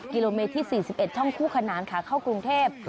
กิโลเมตรที่๔๑ช่องคู่ขนานขาเข้ากรุงเทพ